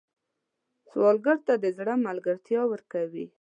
سوالګر ته د زړه ملګرتیا ورکوئ